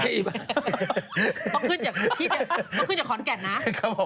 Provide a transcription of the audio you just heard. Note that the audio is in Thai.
เราก็ขึ้นจากคอนแก่นนะ